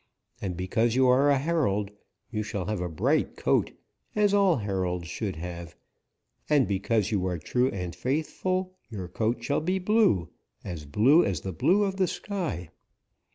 And because you are a herald, you shall have a bright coat, as all heralds should have; and because you are true and faithful, your coat shall be blue, as blue as the blue of the sky.'